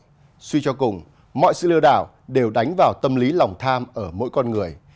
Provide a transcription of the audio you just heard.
nhưng suy cho cùng mọi sự lừa đảo đều đánh vào tâm lý lòng tham ở mỗi con người